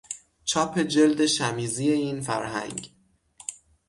چاپ جلد شمیزی این فرهنگ